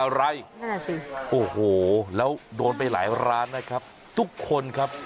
อะไรนั่นแหละสิโอ้โหแล้วโดนไปหลายร้านนะครับทุกคนครับ